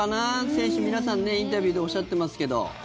選手皆さん、インタビューでおっしゃってますけど。